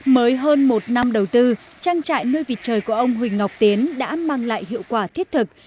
mới hơn một năm đầu tư trang trại nuôi vịt trời của ông huỳnh ngọc tiến đã mang lại hiệu quả thiết thực